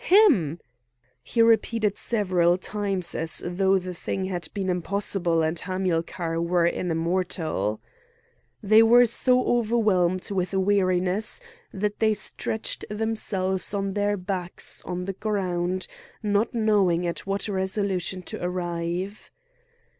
him!" he repeated several times, as though the thing had been impossible, and Hamilcar were an immortal. They were so overwhelmed with weariness that they stretched themselves on their backs on the ground, not knowing at what resolution to arrive.